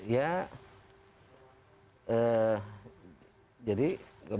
ya jadi beliau